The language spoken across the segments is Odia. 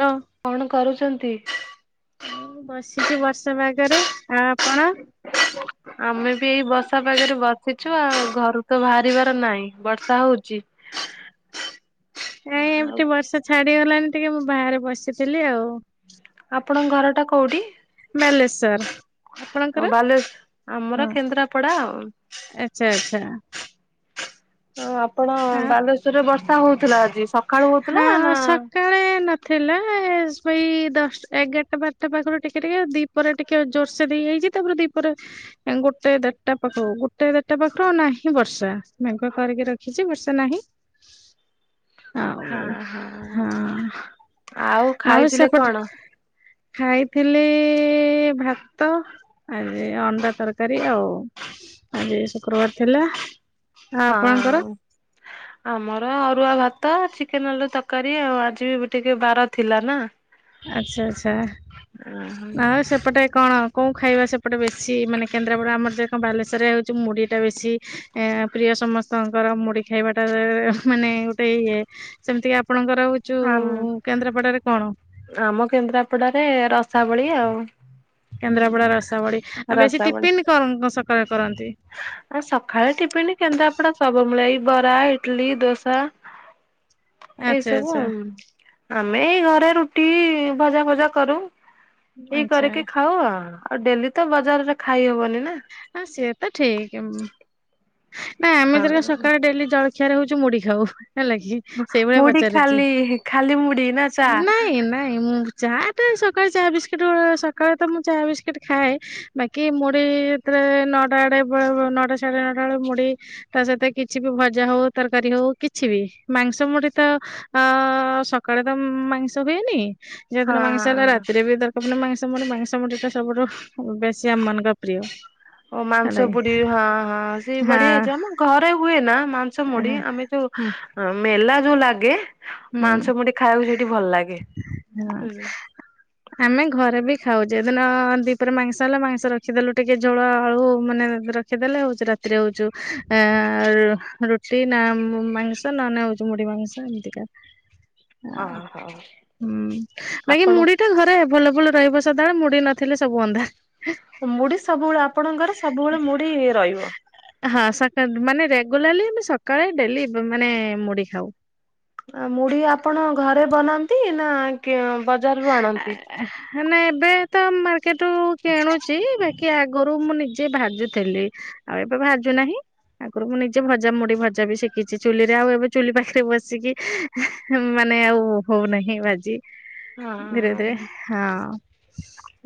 ହଁ କଣ କରୁଛନ୍ତି ବସିଛି ବର୍ଷା ବାଗରେ ଆଉ କଣ। ଆମେ ବି ଏଇ ବର୍ଷା ପାାଗରେ ବସିଛୁ ଆଉ ଘରୁ ତ ବାହାରିବାର ନାହିଁ ବର୍ଷା ହଉଛି। [unintelligible] ନାଇଁ ଆଉ ଏମତିେ ବର୍ଷା ଛାଡିଗଲାଣି ଟିକେ ମୁଁ ବାହାରେ ବସିଥିଲି ଆଉ। ଆପଣଙ୍କ ଘର ଟା କୋଉଠି। ମେଲେ ସାର୍। ହଁ ବାଲେଶ୍ର ଆମର କେନ୍ଦ୍ରାପଡା ଆଉ। ଆଚଛା ଆଚଛା ହଁ ଆପଣ ବାଲେସ୍ୱର ରେ ବର୍ଷା ହଉଥିଲା ଆଜି ସ। ହଁ ସକାଳେ। ଥିଲା ସେଇ ଦଶା ଏଗାରଟା ବାରଟା ପାଖରୁ ଟିକେ ଟିକେଉ ଦିପ ଟିକେ। ଜୋରସେ ଦେଇ ହେଇଛି ତାପରେ ଦିଇପରେ। ଗୋଟେ ଦେଟଟା ପାଖକୁ ଗୋଟେ ଦେଟା ପାଖରୁ ଆଉ ନାହିଁ ବର୍ଷା ମଙ୍କଆ କରିକି ରଖିଛି ବର୍ଷା ନାହିଁ। ହଉ ହଁ ଆଉ ଖାଇଥିଲେ ସେପଟ। କଣ? ଖାଇଥିଲି ଭାତ। ଆଜି ଅଣ୍ଡା ତରକାରୀ ଆଉ ଆଜି ଶୁକ୍ରବାର ଥିଲା। ଆଉ ଆପଣଙ୍କର? ହଁ [unintelligible] ଆମର ଅରୁଆ ଭାତ ଚିକେନ ଆଲୁ ତରକାରୀ ଆଉ ଆଜି ବି ଟିକେ ବାର ଥିଲା ନା। ଆଚ୍ଛା ଆଚ୍ଛା ଆଉ ସେପଟେ କଣ। କୋଣ ଖାଇବା ସେପଟେ ବେଶୀ ମାନେ କେନ୍ଦ୍ରାପଡା ଆମର ଯଣ ବାଲେସ୍ୱର ରେ ହଉଛି ମୁଢ଼ି ଟା ବେଶୀ। ଏ ପ୍ରିୟ ସମସ୍ତଙ୍କର ମୁଢୀ ଖାଇବାଟା ମାନେ ଗୋଟେ ଇଏ। ସେମିତି କି ଆପଣଙ୍କର ହଉଚୁ ଆମ କେନ୍ଦ୍ରାପଡରେ କଣ। ଆମ କେନ୍ଦ୍ରାପଡ଼ାରେ ରସାବଳି ଆଉ। କେନ୍ଦ୍ରାପଡା ରସ ବଡି ଆଉ ବେଶୀ ରସାବଳି। ଟିଫିନ କଣଣ ସକାଳେ କରନ୍ତି ଆ ସକାଳେ ଟିଫିିନ କେନ୍ଦଆ ପଡା ସବୁ ମିଳେ ଏଇ ବରା ଇଟଲି ଦୋସା। ଏଇ ଆଚ୍ଛା ସବୁ ଆଚ୍ଛା ଆଉ। ଆମେ ଏଇ ଘରେ ରୁଟି ଭଜା ଫଜା କରୁ ଏଇ ଆଚ୍ଛା କରିକି ଖାଉ ଆ। ଆଉ ଡେଲି ତ ବଜାରରେ ଖାଇ ହବନି ନା ହଁ, ସିଏ ତ ଠିକ ଉମ୍ ନାଇଁ, ଆମେ ହଁ। ଧରକ ସକାଳେ ଡେଲି ଜଳଖିଆରେ ହଉଛି ମୁଢ଼ି ଖାଉ, ହେଲା କି ସେଇଭଳିଆ ମୁଢି ପଚାରୁଚି। ଖାଲି ଖାଲି ମୁଢି ନା ଚା ନାଇଁ, ନାଇଁ, ମୁଁ ଚା ଟା, ସକାଳେ ଚା ବିସ୍କିଟ ଗୋଟେ ସକାଳେ ତ ମୁଁ ଚା ବିସ୍କିଟ ଖାଏ ବାକି ମୁଢ଼ି ଯେତବେଳେ ନଅଟା ଆଡେ ବେଳେବେଳେ ନଅଟା ସାଢେ ନଅଟା ବେଳେ ମୁଢ଼ି ତା ସହିତ କିଛି ବି ଭଜା ହଉ, ତରକାରୀ ହଉ, କିଛି ବି। ମାଂସ ମୁଢ଼ି ତ ଅ ସକାଳେ ତ ମାଂସ ହୁଏନି, ହଁ ଯେଦିନ ମାଂସ ହେଲା ହଁ। ରାତିରେ ବି ଦର କବନ ମାଂସ ମୁଢ଼ି ମାଂସ ମୁଢ଼ିଟା ସବୁଠୁ ବେଶୀ ଆମ ମାନଙ୍କ ପ୍ରିୟ। ଓ ହେଲା ମାଂସ କି ପୁଡି ହଁ, ହଁ ସେଇ ବଢିଆ ହଁ ଅଛି, ଆମ ଘରେ ହୁଏ ନା ମାଂସ ମୁଢ଼ି, ହଁ ଆମେ ହୁଁ ଯୋଉ ମେଲା ଯୋଉ ଲାଗେ ହୁଁ। ମାଂସ ମୁଢ଼ି ଖାଇବାକୁ ସେଇଠି ଭଲ ଲାଗେ। ହଁ। ଆମେ ଘରେ ବି ଖାଉଛେ। ଏଦିନ ଦ୍ୱିପହରେ ମାଂସ ହେଲା, ମାଂସ ରଖିଦେଲୁ ଟିକେ ଝୋଳ ଆଳୁ ମାନେ ର ଖିଦେଲେ ହଉଛି ରାତିରେ ହଉଚୁ, ଆ ରୁଟି ନା ମା-ମାଂସ ନହେନେ ହଉଛି ମୁଢି ମାଂସ। ଏମତିକା। ଅ ଆ ହଉ ହୁଁ। ବାକି ଆପଣ ମୁଢ଼ିଟା ଘରେ ଆଭେଲେବୁଲ ରହିବ ସଦାବେଳେ ମୁଡି ନଥିଲେ ସବୁ ଅନ୍ଧାର। ମୁଢି ସବୁବେଳେ ଆପଣଙ୍କର ଘରେ ସବୁବେଳେ ମୁଢି ରହିବ? ହଁ, ସକା ମାନେ ରେଗୁଲାରଲି ଆମେ ସକାଳେ ଡେଲି ମାନେ ମୁଢି ଖାଉ। ଆ ମୁଢି ଆପଣ ଘରେ ବନାନ୍ତି, ନା କି ବଜାରରୁ ଆଣନ୍ତି? ନା, ଏବେ ତ ମାର୍କେଟରୁ କିଣୁଚି, ବାକି କି ଆଗରୁ ମୁଁ ନିଜେ ଭାଜୁଥେଲି, ଆଉ ଏବେ ଭାଜୁନାହିଁ ଆଗୁରୁ ମୁଁ ନିଜେ ଭଜା ମୁଡି ଭଜା ବି ଶିଖିଛି ଚୁଲିରେ ଆଉ ଏବେ ଚୁଲି ପାଖରେ ବସିକି ମାନେ ଆଉ ହଉନାହିଁ ଭାଜି। ଧିରେ ଧିରେ, ହଁ।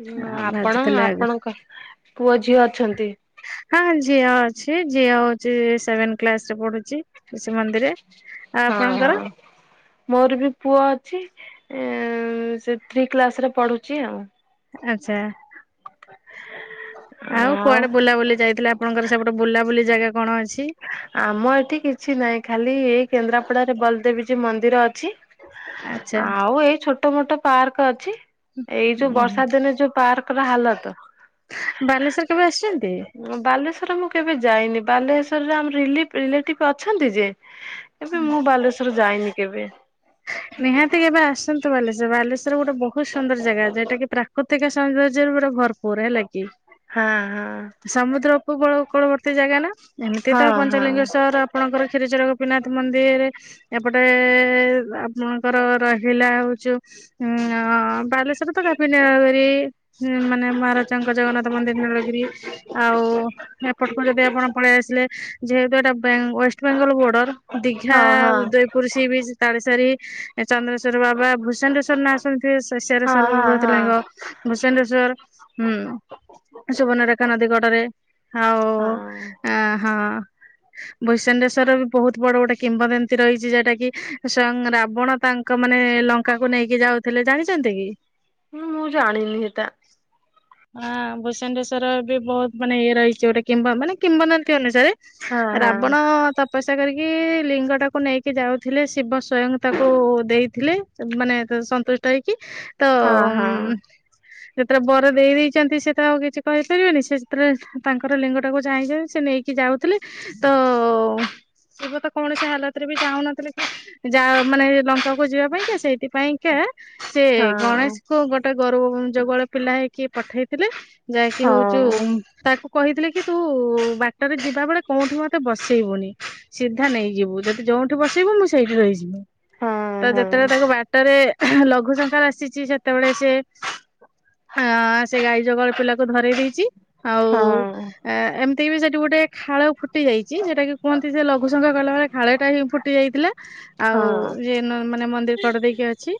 ହଁ, ଆପଣ, ଭାଜିଥିଲେ ଆଗ ଆପଣଙ୍କ ପୁଅ ଝିଅ ଅଛନ୍ତି? ହଁ ଝିଅ ଅଛି, ଝିଅ ହଉଛି ସେଭେନ କ୍ଲାସରେ ପଢୁଛି। ଶିଶୁ ମନ୍ଦିରରେ। ଆଉ ହଁ ଆପଣଙ୍କର? ହଁ ମୋର ବି ପୁଅ ଅଛି। ସିଏ ଉମ୍ ଥ୍ରୀ କ୍ଲାସରେ ପଢୁଛି ଆଉ। ଆଚ୍ଛା। ଆଉ କୁଆଡେ ବୁଲାବୁଲି ଯାଇଥିଲେ ଆପ ଆପଣଙ୍କର ସେପଟେ ବୁଲାବୁଲି ଜାଗା କଣ ଅଛି? ଆମ ଏଠି କିଛି ନାହିଁ, ଖାଲି ଏଇ କେନ୍ଦ୍ରାପଡାରେ ବଲଦେବଜୀଉ ମନ୍ଦିର ଅଛି। ଆଚ୍ଛା ଆଉ ଏଇ ଛୋଟ ମୋଟ ପାର୍କ ଅଛି। ଏଇ ଯୋଉ ଉଁ ହୁଁ। ବର୍ଷା ଦିନେ ଯୋଉ ପାର୍କର ହାଲତ ବାଲେଶ୍ଵର କେବେ ଆସିଛନ୍ତି? ବାଲେଶ୍ଵର ମୁଁ କେବେ ଯାଇନି। ବାଲେଶ୍ୱରରେ ଆମର ରିଲିପ ରିଲେଟିଭ ଅଛନ୍ତି ଯେ ଏବେ ମୁଁ ବାଲେଶ୍ଵର ଯାଇନି କେବେ। ନିହାତି କେବେ ଆସନ୍ତୁ ବାଲେଶ୍ଵର। ବାଲେଶ୍ଵର ଗୋଟେ ବହୁତ ସୁନ୍ଦର ଜାଗା, ଯୋଉଟାକି ପ୍ରାକୃତିକ ସୌନ୍ଦର୍ଯ୍ୟରେ ପୁରା ଭରପୁ ପୁର ହେଲା କି। ହଁ, ହଁ। ସମୁଦ୍ର ଉପକୂଳ କୂଳବର୍ତ୍ତୀ ଜାଗା ନା, ଏମିତି ତ ହଁ ହଁ ହଁ। ପଞ୍ଚଲିଙ୍ଗେଶ୍ଵର ଆପଣଙ୍କର କ୍ଷୀରଚୋରା ଗୋପୀନାଥ ମନ୍ଦିର୍, ଏପଟେ ଆପ୍ ଆପଣଙ୍କର ରହିଲା ହଉଚି ଯୋଉ ଉମ୍ ବାଲେଶ୍ଵର ତ ଗାପିନଗରୀ ହୁଁ ମାନେ ମହାରାଜାଙ୍କ ଜଗନ୍ନାଥ ମନ୍ଦିର ନୀଳଗିରି ଆଉ ଏପଟକୁ ଯଦି ଆପଣ ପଳେଇ ଆସିଲେ, ଯେହେତୁ ଏଟା ବେଙ୍ଗ ୱେଷ୍ଟବେଙ୍ଗଲ ବୋର୍ଡର ଦିଘା, ହଁ ହଁ ଉଦୟପୁର ସି ବିଚ୍, ତାଳେଶରୀ, ଚନ୍ଦ୍ରେଶ୍ଵର ବାବା, ଭୂଷଣ୍ଡେଶ୍ଵର ନାସ [unintelligible] ଏସିଆରେ ହଁ ହଁ ସର୍ବବୃହତ୍ ହଁ ଲିଙ୍ଗ। ଭୂସେଣ୍ଡେଶ୍ଵର ହୁଁ ସୁବର୍ଣ୍ଣରେଖା ନଦୀ କଡରେ ହାଉ ହଁ ଆ ହଁ। ଭୂସେଣ୍ଡେଶ୍ଵର ବି ବୋହୁତ ବଡ ଗୋଟେ କିମ୍ବଦନ୍ତୀ ରହିଛି ଯୋଉଟା କି ସ୍ଵୟଂ ରା ବଣ ତାଙ୍କ ମାନେ ଲଙ୍କାକୁ ନେଇକି ଯାଉଥିଲେ ଜାଣିଛନ୍ତି କି? ହୁଁ ମୁଁ ଜାଣିନି ହେତା। ହଁ ଭୂସେଣ୍ଡେଶ୍ଵର ବି ବୋହୁତ ମାନେ ଇଏ ରହିଛି ଗୋଟେ କିମ୍ବ ମାନେ କିମ୍ବଦନ୍ତୀ ଅନୁସାରେ ହଁ ହଁ ରାବଣ ତପସ୍ୟା କରିକି ଲିଙ୍ଗଟାକୁ ନେଇକି ଯାଉଥିଲେ ଶିବ ସ୍ଵୟଂ ତାକୁ ଦେଇଥିଲେ ଏବ୍ ମାନେ ତ ସନ୍ତୁଷ୍ଟ ହେଇକି ତ ହଁ ହଁ। ଯେତେବେଳେ ବର ଦେଇ ଦେଇଛନ୍ତି ସିଏ ତ ଆଉ କିଛି କହିପାରିବେନି ସିଏ ଯେତେବେଳେ ତାଙ୍କର ଲିଙ୍ଗଟାକୁ ଚାହିଁଛନ୍ତି ସିଏ ନେଇ କି ଯାଉଥିଲେ ତ ଶିବ ତ କୌଣସି ହାଲତରେ ଚାହୁଁ ନଥିଲେ କି ଯାଅ ମାନେ ଲଙ୍କାକୁ ଯିବା ପାଇଁକା ସେଇଥିପାଇଁକା ସେ ହଁ ଗଣେଶ ଙ୍କୁ ଗୋଟେ ଗୋରୁ ଜଗୁଆଳ ପିଲା ହେଇକି ପଠେଇଥିଲେ ଯାହାକି ହଉଚୁ ଉଁ ହଁ। ତାକୁ କହିଥିଲେ କି ତୁ ବାଟରେ ଯିବା ବେଳେ କୋଉଁଠି ମତେ ବସେଇବୁନି। ସିଧା ନେଇଯିବୁ ଯଦି ଯୋଉଁଠି ବସିବୁ ମୁଁ ସେଇଠି ରହିଯିମି। ହଁ ତ ଯେତେବେଳେ ହଁ ତାକୁ ବାଟରେ ଲଘୁ ସଂଖାର ଆସିଚି ସେତବଳେ ସିଏ ହଁ ସେ ଗାଈ ଜଗୁଆଳ ପିଲାକୁ ଧରେଇ ଦେଇଚି ଆଉ ହଁ ଆ ଏମତି ବି ସେଠି ଗୋଟେ ଖାଳ ଫୁଟି ଯାଇଚି ଯୋଉଟା କି କୁହନ୍ତି ସେ ଲଘୁସଂଖାର କଲାବେଳେ ଖାଳଟା ହିଁ ଫୁଟି ଯାଇଥିଲା ଆଉ ହଁ। ଇଏ ନ ମାନେ ମନ୍ଦିର୍ କଡ ଦେଇକି ଅଛି।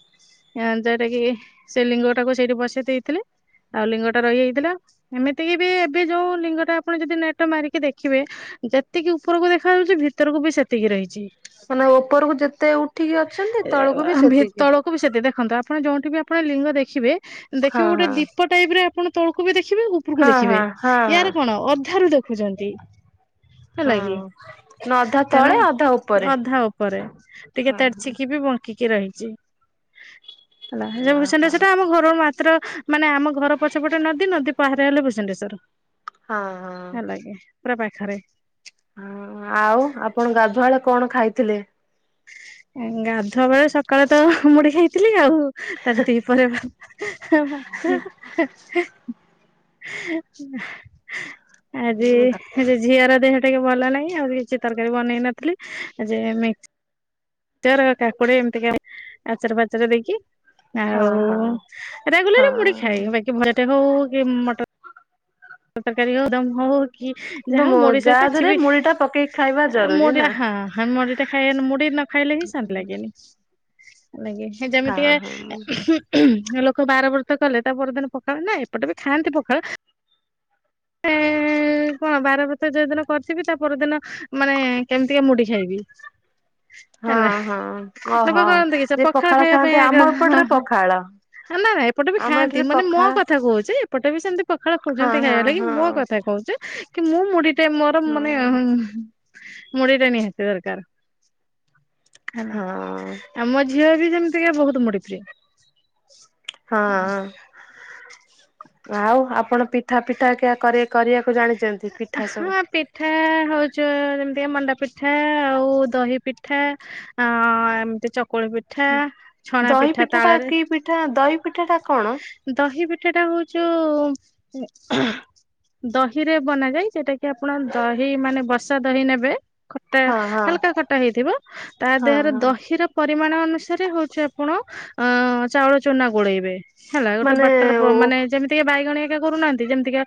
ଆଁ ଯୋଉଟାକିି ସେ ଲିଙ୍ଗଟାକୁ ସେଇଠି ବସେଇ ଦେଇଥିଲେ। ଆଉ ଲିଙ୍ଗଟା ରହି ହେଇଥିଲା ଏମିତିକି ବି ଏବେ ଯୋଉ ଲିଙ୍ଗଟା ଆପଣ ଯଦି ନେଟ ମାରିକି ଦେଖିବେ ଯେତିକି ଉପରକୁ ଦେଖାଯାଉଛି ଭିତରକୁ ବି ସେତିକି ରହିଛି। ମାନେ ଓପରୁକୁ ଯେତେ ଉଠିକି ଅଛନ୍ତି ତଳକୁ ବି ସେତିକି। କୁ ବି ସେତେ ଦେଖନ୍ତୁ ଆପଣ ଯୋଉଠି ବି ଆପଣ ଲିଙ୍ଗ ଦେଖିବେ ହଁ ଦେଖିବ ଗୋଟେ ହଁ। ଦୀପ ଟାଇପରେ ଆପଣ ତଳୁ କୁ ବି ଦେଖିବେ ଉପୁରୁକୁ ହଁ ଦେଖିବେ ହଁ ହଁ ହଁ ୟାର କଣ ଅଧାରୁୁ ଦେଖୁଛନ୍ତି। ହେଲା କିି ହଁ ନା ଅଧା ତେଣୁ ତଳେ ଅଧା ଉପରେ ଅଧା ଉପରେ ଟିକେ ହଁ ହଁ। ଇଏ ବି ବଙ୍କିକି ରହିଛି ହେଲା ଯୋଉ ଓହୋ ଭୂସେଣ୍ଡେଶ୍ୱର ଆମ ଘର ଉ ମାତ୍ର ମାନେ ଆମ ଘର ପଛପଟେ ନଦୀ ନଦୀ ପାହାରେ ହେଲେ ଭୁସେଣ୍ଡେଶ୍ଵର ହଁ ହେଲା କି। ପୁରା ପାଖରେ। ହଁ ଆଉ ଆପଣ ଗାଧୁଆଳେ କଣ ଖାଇଥିଲେ। ଏଁ ଗାଧୁଆ ବେଳେ ସକାଳେ ତ ମୁଢି ଖାଇଥିଲି ଆଉ। ତ ଆଜି ଦିପହରେ ଭା ହାଁ ଭାତ। ଆଜି ହେଁ ଯେ ଝିଅର ଦେହ ଟିକେ ଭଲ ନାହିଁ ଆଉ ଯେ କିଛି ତରକାରୀ ବନେଇ ନଥିଲି ଯେ ମିକ୍ସ୍ ଚର କାକୁଡି ଏମିତିକେ ଆଚାର ଫାଚାର ଦେଇକି ହଁ ଆଉ ହଁ ରେଗୁଲାରି ମୁଢ ହଁ ଖାଏ ବାକି ଭଜାଟେ ହଉ କି ମଟର ତରକାରୀ ହଉ ଦମ୍ ହଉ କି ଯାହା କିନ୍ତୁ ହଉ ମୋ ମୁଢି ଯା ସହିତ ଛି ଦେହରେ ବି ମୁଢି ଟା ପକେଇକି ଖାଇବା ଆ ମୁ ଜରୁରୀ ଟା ନା। ହାଁ ହାଁ ମୁଢିଟା ଖାଇଏନ୍ ମୁଢି ନ ଖାଇଲେ ବି ଶାନ୍ତି ଲାଗେନି ଲାଗି ହେ ହଁ ଯେମିତି ହଁ ଟିକେ ଏ ଉହୁଁ ଲୋକ ବାର ବ୍ରତ କଲେ ତା ପରଦିନ ପଖାଳ ନା ଏପଟେ ବି ଖାଆନ୍ତି ପଖାଳ। ଏଁ ଉଁ କଣ ବାର ବ୍ରତ ଯୋଉ ଦିନ କରିଥିବି ତା ପରଦିନ ମାନେ କେମିତିକା ମୁଢି ଖାଇବି। ହେଲା ହଁ ହଁ ଲୋକ ଓହୋ କହନ୍ତି କିସ ଯେ ପଖାଳ ଖାଇବା ପାଇଁ ଖାଆନ୍ତି ଆଗ ଆମ ହଁ ଏପଟରେ ହଁ। ପଖାଳ ଆ ନା ନା ଏପଟେ ବି ଆମ ଖାଆନ୍ତି ଏଠାରେ ମାନେ ମୋ ପଖାଳ କଥା କହୁଛି ଏ ପଟେ ବି ସେମତି ପଖାଳ ହଁ ଖୋଜନ୍ତି ହଁ ଖାଇବାର ଲାଗି ହଁ ମୋ କଥା କହୁଛି କି ମୁଁ ମୁଢି ଟେ ମୋର ହଁ ମାନେ ହୁଁ ହୁଁ ମୁଢିଟା ନିହାତି ଦରକାର। ହେଲା ହଁ ଆଉ ମୋ ଝିଅ ବି ଯେମିତିକା ବୋହୁତୁ ମୁଢି ପ୍ରିୟ। ହଁ ଆଉ ଆପଣ ପିଠା ଫିଠା କିଆ କରେ। କରିବାକୁ ଜାଣିଚନ୍ତି ପିଠା ସବୁ? [unintelligible] ହୋଉଚ ଯେମିତି ମଣ୍ଡା ପିଠା ଆଉ ଦହି ପିଠା ଆ ଏମିତି ଚକୁଳି ପିଠା ଛଣା ଦହି ପିଠା ଟା ତାଳରେ କି ପିଠା ଦହି ପିଠା ଟା କଣ? ଦହି ପିଠା ଟା ହଉଚୁ ହା ଦହି ରେ ବନାଯାଇ ସେଟା କି ଆପଣ ଦହି ମାନେ ବସା ଦହି ନେବେ। ଖଟା ହଁ ହଁ ହାଲକା ଖଟା ହେଇଥିବ ତା ହଁ ଦେହରେ ହଁ ଦହିର ପରିମାଣ ଅନୁସାରେ ହୋଉଚି ଆପଣ ଅ ଚାଉଳ ଚୁନା ଗୋଳେଇବେ। ହେଲା ଗୋଟେ ମାନେ ପାତ୍ର ପ ଓ ମାନେ ଯେମିତିକି ବାଇଗଣି ହରିକା କରୁନାହାନ୍ତି ଯେମିତିକା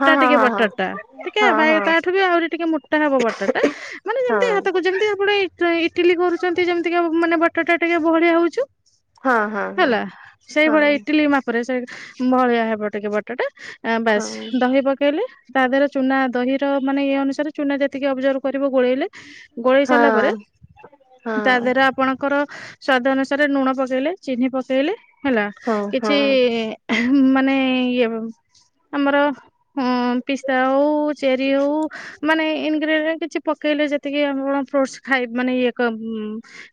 ହଁ ଟିକେ ହଁ ବର୍ଟଟା ଟିକେ ହଁ ବାଇ ହଁ ତାଠୁ ବି ଆହୁରି ଟିକେ ମୋଟା ହବ ବର୍ଟଟା। ମାନେ ଯେମିତି ହଁ ହାତକୁ ଯେମିତି ଆପଣ ଇଟି ଇଟିଲି କରୁଚନ୍ତି ଯେମିତିକା ମାନେ ବର୍ଟାଟା ଟିକେ ବଳିଆ ହୋଉଛୁ। ହଁ ହଁ ହଁ ହଁ ହେଲା ସେଇଭଳିଆ ହଁ। ଏ ଇଟିଲି ମାପରେ ସେ ଭଳିଆ ହେବ ଟିକେ ବର୍ଟଟା ଆ ବାସ ହଁ ଦହି ପକେଇଲେ ତା ଦେହରେ ଚୁନା ଦହି ର ମାନେ ଇଏ ଅନୁସାରେ ଚୁନା ଯେତିକି ଅବଜର୍ଭ କରିବ ଗୋଳେଇଲେ ଗୋଳେଇ ହଁ ହଁ ହଁ ସାରିଲା ପରେ ହଁ ତା ଦେହରେ ହଁ ଆପଣ ଙ୍କର ସ୍ଵାଦ ଅନୁସାରେ ଲୁଣ ପକେଇଲେ ଚିନି ପକେଇଲେ ହେଲା କିଛି ହଁ। ମାନେ ଇଏ ଆମର ହୁଁ ପିସ୍ତା ହୋଉ ଚେରି ହୋଉ ମାନେ ଇନଗ୍ରିଡିଣ୍ଟ ପକେଇଲେ ଯେତିକି ଆପଣ ଫୁର୍ଷ୍ଟ ଖାଇ ମାନେ ଇଏ କ ଉଁ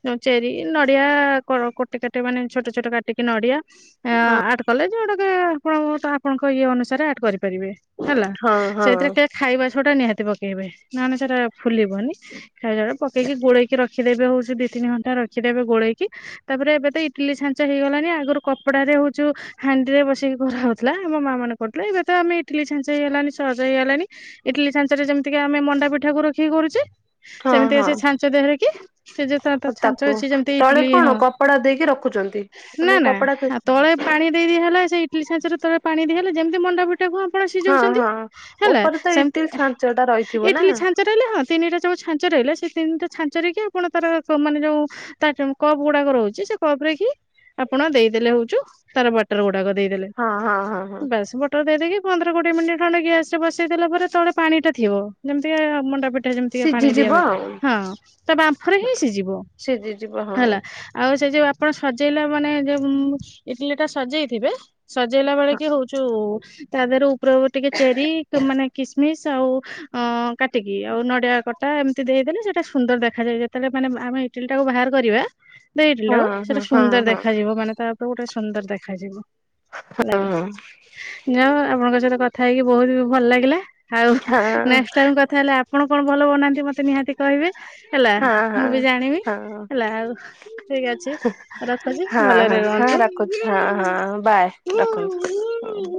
ଯୋଉ ଚେରି ନଡିଆ କ୍ରର କଟି କାଟି ମାନେ ଛୋଟ ଛୋଟ କାଟିକି ନଡିଆ। ହଁ ଆର୍ଟ କଲେ ଯୋଉଗୋଡାକ ଆପଣଙ୍କ ସ୍ୱ ଆପଣଙ୍କ ଇଏ ଅନୁସାରେ ଆର୍ଟ କରିପାରିବେ। ହେଲା ହଁ ହଁ ସେଇଥିରେ ଟିକେ ଖାଇବା ସୋଢା ନିହାତି ପକେଇବେ ନହେଲେ ସେଟା ଫୁଲିବନି। ଖାଇଲାବେଳେ ପକେଇକି ଗୋଳେକି ରଖିଦେବେ ହୋଉଚି ଦିଇ ତିନି ଘଣ୍ଟ ରଖିଦେବେ ଗୋଳେଇକି। ତାପରେ ଏବେ ତ ଇଟିଲି ଛାଞ୍ଚ ହେଇଗଲାଣି ଆଗରୁ କପଡା ରେ ହେଉଚୁ ହାଣ୍ଡିରେ ବସେଇକି କରା ହୋଉଥିଲା ଆମ ମା ମାନେ କହୁଥିଲେ ଏବେ ତ ଆମେ ଇଟିଲି ଛାଞ୍ଚ ହେଇଗଲାଣି ସହଜ ହେଇଗଲାଣି। ଇଟିଲି ଛାଞ୍ଚ ରେ ଯେମିତିକା ଆମେ ମଣ୍ଡା ପିଠା କୁ ରଖିକି କଋଚେ। ହଁ ସେମିତିଆ ସେ ହଁ ଛାଞ୍ଚ ଦେହରେ କି ସେ ଜୋ ତା ତା ଛାଞ୍ଚ ତାକୁ ଅଛି ଯେମିତି ତଳେ ଇଟିଲି କଣ ହଁ। କପଡା ଦେଇକି ରଖୁଛନ୍ତି। ନା ମାନେ ନା କପଡା କି ଆଉ ତଳେ ପାଣି ଦେଇଦିଆ ହେଲା ସେଇଟିଲି ସାଞ୍ଚ ରେ ତଳେ ପାଣି ଦିଇଆହେଲେ ଯେମିତି ମଣ୍ଡା ସେଟାକୁ ଆପଣ ହଁ ସିଯୋଉଚନ୍ତି ହଁ ହେଲା ଉପରେ ତ ସେମିତି ଇଟିଲି ଛାଞ୍ଚ ଟା ରହିଥିବ ନା। ଇଟିଲି ଛା ଛ ରହିଲେ ହଁ ତିନିଟା ଜୋଉ ଛାଞ୍ଚ ରହିଲା ସେ ତିନିଟା ଛାଞ୍ଚରେକି ଆପଣ ତାର ପ ମାନେ ଯୋଉ ତା ତେଣୁ କପ୍ ଗୁଡାକ ରହୁଚି ସେ କପ୍ ରେ କି ଆପଣ ଦେଇଦେଲେ ହୋ ଟୁ ତାର ବାର୍ଟର ଗୁଡାକ ଦେଇଦେଲେ ହଁ ହଁ ହଁ ହଁ ବାସ୍। ବର୍ଟ ଦେଇଦେଇକି ପନ୍ଦର କୋଡିଏ ମିନିଟ୍ ଖଣ୍ଡେ ଗ୍ୟାସରେ ବସେଇଦେଲା ପରେ ତଳେ ପାଣିଟା ଥିବ ଯେମିତି କା ମଣ୍ଡା ପି ଟା ଯେମିତି ପାଣି ଦିଇଆ ସିଝିଯିବ ହୁଏ ଆଉ ହଁ ତା ବାମ୍ଫରେ ହିଁ ସିଝିବ। ସିଝିଯିବ ହଁ। ହେଲା ଆଉ ସେ ଯୋଉ ଆପଣ ସଜେଇଲେ ମାନେ ଯୋଉ ଇଟିଲି ଟା ସଜେଇଥିବେ ସଜେଇଲା ବେଳେ କି ହୋଊଛୁ ତା ଦେହରେ ଉପରେ ଟିକେ ଚେରି ମାନେ କିସ୍ ମିସ୍ ଆଉ ଅଁ କାଟିକି ଆଉ ନଡିଆ କଟା ଏମିତି ଦେଇଦେଲେ ସେଟା ସୁନ୍ଦର ଦେଖାଯାଏ ଯେତେବେଳେ ମାନେ ଆମେ ଇଟିଲି ଟାକୁ ବାହାର କରିବା। ଦେଇଥିଲେ ହଁ ତାକୁ ସେଟା ହଁ ହଁ ସୁନ୍ଦର ହଁ ଦେଖାଯିବ ମାନେ ତାପରେ ଗୋଟେ ସୁନ୍ଦର ଦେଖାଯିବ। ହେଲାକି ହଁ ଯାଆହୋଉ ଆପଣଙ୍କ ସହିତ କଥା ହେଇକି ବହୁତ ଭଲ ଲାଗିଲା। ଆଉ ହଁ ନେଷ୍ଟେ ଟାଇମ୍ କଥା ହେଲେ ଆପଣ କଣ ଭଲ ବନା ନ୍ତି ମତେ ନିହାତି କହିବେ ହେଲା ହଁ ମୁଁ ବି ହଁ। ଜାଣିବି ହଁ ହେଲା ଆଉ। ଠିକ୍ ଅଛି ରଖୁଚି ହଁ ହଁ ଭଲରେ ହଁ ରୁହନ୍ତୁ। ରଖୁଛି ହଁ ହଁ ବାଏ ରଖନ୍ତୁ ହୁଁ।